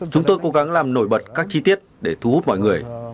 chúng tôi cố gắng làm nổi bật các chi tiết để thu hút mọi người